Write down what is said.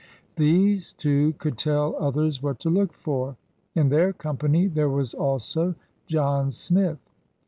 These two could tell others what to look for. In their company there was also John Smith.